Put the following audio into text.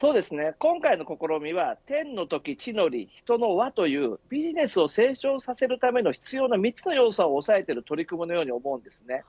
今回の試みは、天の時地の利、人の和というビジネスを成長させるために必要な３つの要素を押さえている取り組みのように思います。